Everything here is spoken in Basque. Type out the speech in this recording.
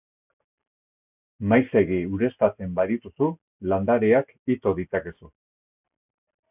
Maizegi ureztatzen badituzu, landareak ito ditzakezu.